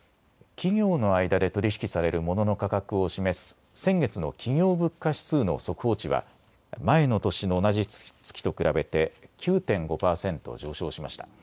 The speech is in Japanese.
企業の間で取り引きされるモノの価格を示す先月の企業物価指数の速報値は前の年の同じ月と比べて９．５％上昇しました。